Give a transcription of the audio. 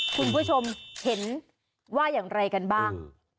คุณผู้ชมเห็นว่าอย่างไรกันบ้าง